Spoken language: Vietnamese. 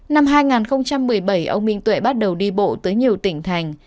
năm hai nghìn một mươi bảy ông minh tuệ bắt đầu đi bộ tới nhiều tỉnh thành